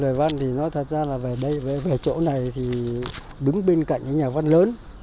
về văn thì nói thật ra là về đây chỗ này thì đứng bên cạnh những nhà văn lớn